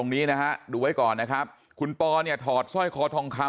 ๑๑บาท๕๐สตางค์